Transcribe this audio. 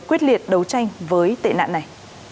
quyết liệt đấu tranh với tệ nạn này